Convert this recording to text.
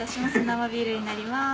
生ビールになります。